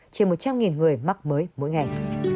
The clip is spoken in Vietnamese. trên một trăm linh người mắc mới mỗi ngày